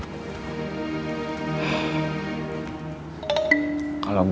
saya ingin berdoa